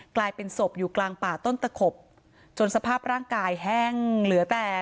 กลายเป็นศพอยู่กลางป่าต้นตะขบจนสภาพร่างกายแห้งเหลือแต่